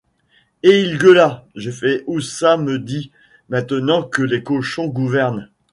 Et il gueula: — Je fais où ça me dit, maintenant que les cochons gouvernent!